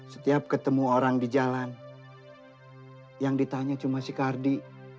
setiap ketemu orang di jalan yang ditanya cuma si kardi